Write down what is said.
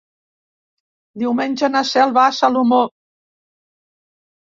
Diumenge na Cel va a Salomó.